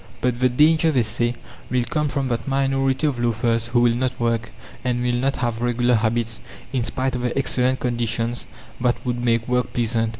"But the danger," they say, "will come from that minority of loafers who will not work, and will not have regular habits, in spite of the excellent conditions that would make work pleasant.